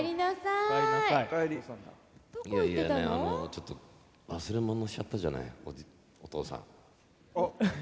ちょっと忘れ物しちゃったじゃないお父さん。